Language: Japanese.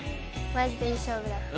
マジでいい勝負だった。